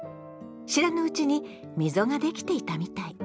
知らぬうちに溝が出来ていたみたい。